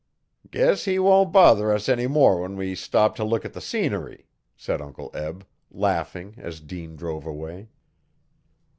'Guess he won't bother us any more when we stop t' look at the scenery,' said Uncle Eb, laughing as Dean drove away.